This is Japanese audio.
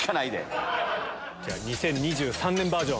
２０２３年バージョン！